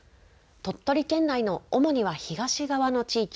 鳥取県内の主には東側の地域